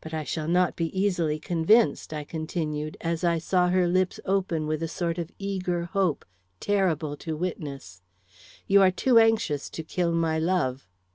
But I shall not be easily convinced," I continued, as I saw her lips open with a sort of eager hope terrible to witness. "You are too anxious to kill my love."